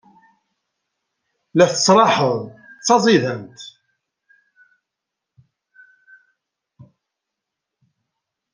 La tettraḥeḍ d taẓidant.